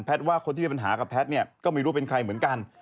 ว่าคนที่มีปัญหากับแพทย์เนี่ยก็ไม่รู้เป็นใครเหมือนกัน